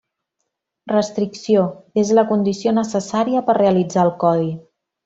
Restricció: és la condició necessària per realitzar el codi.